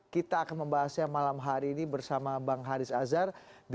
kita akan membahasnya malam hari ini bersama bang haris azhar